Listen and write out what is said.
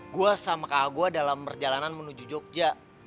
gue sama kak gue dalam perjalanan menuju jogja